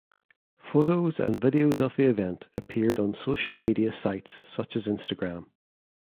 Photos and videos of the event appeared on social media sites such as Instagram.